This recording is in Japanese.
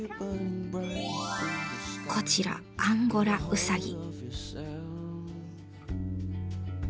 こちらアンゴラウサギ。